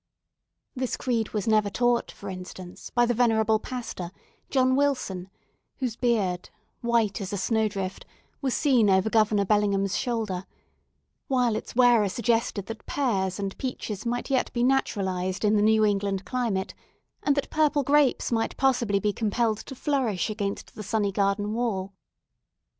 This creed was never taught, for instance, by the venerable pastor, John Wilson, whose beard, white as a snow drift, was seen over Governor Bellingham's shoulders, while its wearer suggested that pears and peaches might yet be naturalised in the New England climate, and that purple grapes might possibly be compelled to flourish against the sunny garden wall.